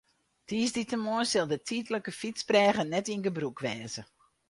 Tiisdeitemoarn sil de tydlike fytsbrêge net yn gebrûk wêze.